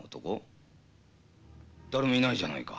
誰もいないじゃないか。